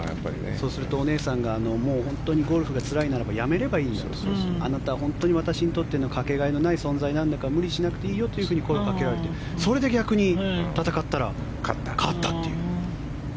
そうするとお姉さんが本当にゴルフがつらいならばやめればいいとあなたは本当に私にとってのかけがえのない存在なんだから無理しなくていいよと声をかけられてそれで逆に戦ったら勝ったという。